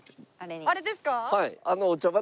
あれですか？